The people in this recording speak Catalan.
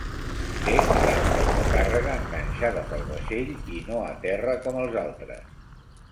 Té rampes de càrrega enganxades al vaixell, i no a terra com els altres.